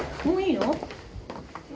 もういいの？